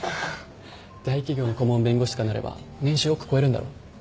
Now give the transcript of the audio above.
大企業の顧問弁護士とかになれば年収億超えるんだろ？